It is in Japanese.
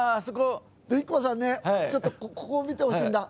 で、ＩＫＫＯさんねちょっと、ここを見てほしいんだ。